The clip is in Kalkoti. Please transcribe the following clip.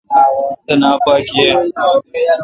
تینا پا گییں۔